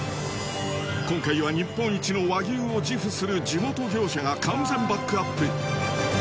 今回は日本一の和牛を自負する地元業者が完全バックアップ！